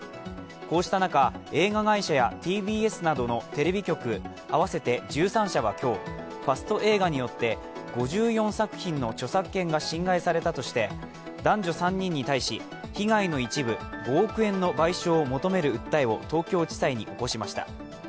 こうした中、映画会社やＴＢＳなどのテレビ局、合わせて１３社は今日、ファスト映画によって５４作品の著作権が侵害されたとして男女３人に対し、被害の一部、５億円の賠償を求める訴えを東京地裁に起こしました。